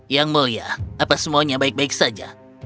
yang mulia apa semuanya baik baik saja